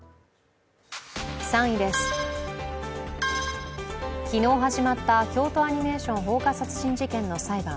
３位です、昨日始まった京都アニメーション放火殺人事件の裁判。